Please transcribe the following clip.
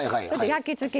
焼き付く。